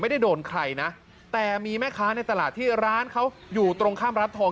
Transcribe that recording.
ไม่ได้โดนใครนะแต่มีแม่ค้าในตลาดที่ร้านเขาอยู่ตรงข้ามร้านทอง